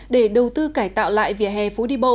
để đầu tư cải tạo lại vỉa hè phố đi bộ